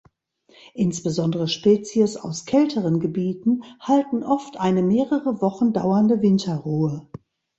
Insbesondere Spezies aus kälteren Gebieten halten oft eine mehrere Wochen dauernde Winterruhe.